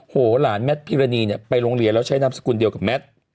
หลานแมทพิรณีเนี่ยไปโรงเรียนแล้วใช้นามสกุลเดียวกับแมท